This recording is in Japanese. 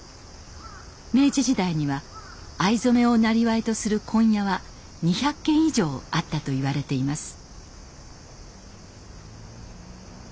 明治時代には藍染めをなりわいとする「紺屋」は２００軒以上あったといわれています。